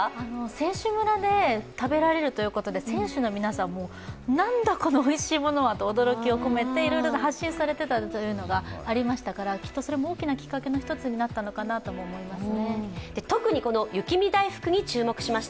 選手村で食べられるということで選手の皆さん、何だこんなおいしいものはと驚きを込めていろいろ発信されていたというのがありましたから、きっとそれも大きなきっかけの一つになったのかなと思います。